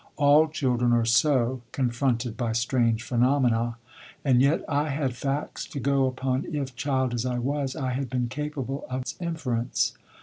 All children are so, confronted by strange phenomena. And yet I had facts to go upon if, child as I was, I had been capable of inference.